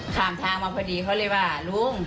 ทางมาพอดีเขาเลยว่าลุง